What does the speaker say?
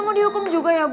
boleh buka bab lima